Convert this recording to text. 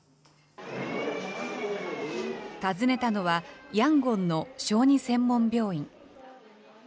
訪ねたのはヤンゴンの小児専門病院。